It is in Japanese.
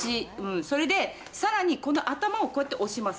それで、さらにこの頭をこうやって押します。